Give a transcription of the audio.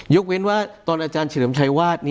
เว้นว่าตอนอาจารย์เฉลิมชัยวาด